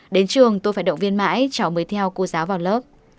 đến trường tôi phải động viên mãi cháu mới theo cô giáo vào lớp